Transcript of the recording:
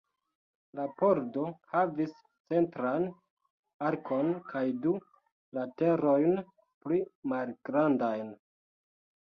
La pordo havis centran arkon kaj du laterojn pli malgrandajn.